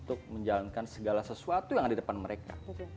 dan menjalankan segala sesuatu yang ada di depan mereka